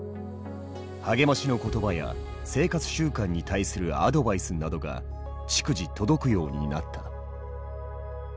励ましの言葉や生活習慣に対するアドバイスなどが逐次届くようになった。